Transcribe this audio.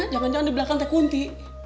jangan jangan di belakang saya kunti